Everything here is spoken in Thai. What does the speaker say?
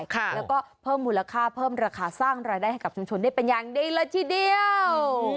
แล้วก็เพิ่มมูลค่าเพิ่มราคาสร้างรายได้ให้กับชุมชนได้เป็นอย่างดีเลยทีเดียว